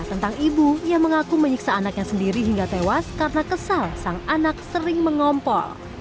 tentang ibu yang mengaku menyiksa anaknya sendiri hingga tewas karena kesal sang anak sering mengompol